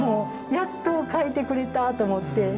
やっと描いてくれたと思って。